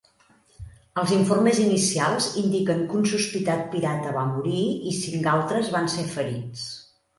Els informes inicials indiquen que un sospitat pirata va morir i cinc altres van ser ferits.